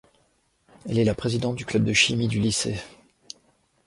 Elle est la présidente du club de chimie du lycée.